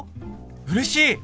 うれしい！